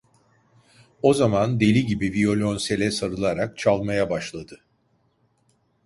O zaman deli gibi viyolonsele sarılarak çalmaya başladı.